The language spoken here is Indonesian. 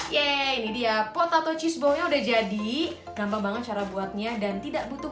yeay ini dia pot atau cheeseballnya udah jadi gampang banget cara buatnya dan tidak butuh